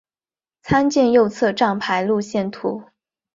参见右侧站牌路线图。